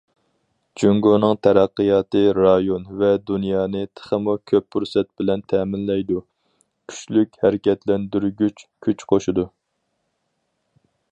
جۇڭگونىڭ تەرەققىياتى رايون ۋە دۇنيانى تېخىمۇ كۆپ پۇرسەت بىلەن تەمىنلەيدۇ، كۈچلۈك ھەرىكەتلەندۈرگۈچى كۈچ قوشىدۇ.